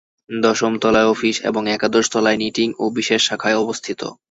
দশম তলায় অফিস এবং একাদশ তলায় নিটিং ও বিশেষ শাখা অবস্থিত।